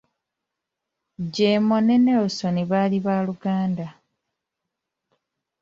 Gemo ne Nelisoni baali ba luganda.